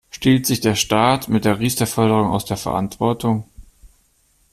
Stiehlt sich der Staat mit der Riester-Förderung aus der Verantwortung?